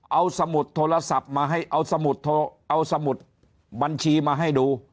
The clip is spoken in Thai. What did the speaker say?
เอาสมุดโทรศัพท์มาให้เอาสมุดบัญชีมาให้ดู